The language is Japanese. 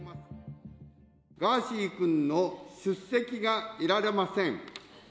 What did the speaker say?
ガーシー君の出席が得られません。